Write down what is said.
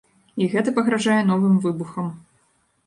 І гэта пагражае новым выбухам.